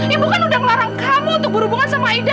ibu kan udah ngelarang kamu untuk berhubungan sama ida